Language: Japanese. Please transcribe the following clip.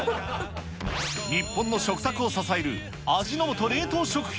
日本の食卓を支える、味の素冷凍食品。